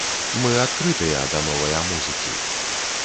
Мы адкрытыя да новая музыкі.